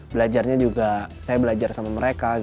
belajarnya juga saya belajar sama mereka